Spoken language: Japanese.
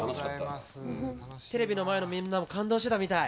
テレビの前のみんなも感動してたみたい。